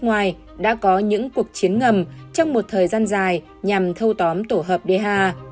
hàn quốc đã có những cuộc chiến ngầm trong một thời gian dài nhằm thâu tóm tổ hợp dh